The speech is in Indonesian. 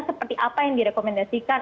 seperti apa yang direkomendasikan